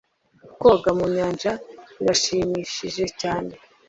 Koga mu nyanja birashimishije cyane